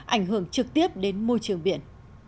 ảnh hưởng trực tiếp đến môi trường biển